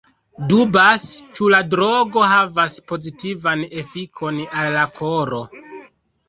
Dubas, ĉu la drogo havas pozitivan efikon al la koro.